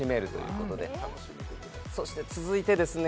ここもそして続いてですね